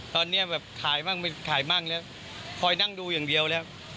ตอนนี้แบบขายบ้างไม่ขายบ้างแล้วคอยนั่งดูอย่างเดียวแล้ว